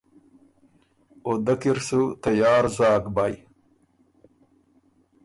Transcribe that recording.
او دۀ کی ر سُو تیار زاک بئ۔